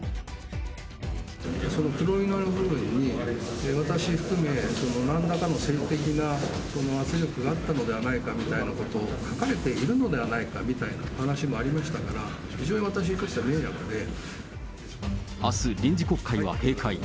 その黒塗りの部分に、私含め、なんらかの政治的な圧力があったのではないかみたいなことを、書かれているのではないかみたいな話もありましたから、非常に私あす、臨時国会は閉会。